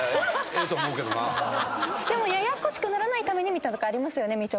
でもややこしくならないためにみたいなとこありますよね？